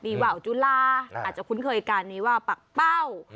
มีว้าวจุลาอาจจะคุ้นเคยกันนี้ว้าวปากเป้า